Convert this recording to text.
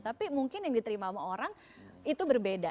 tapi mungkin yang diterima sama orang itu berbeda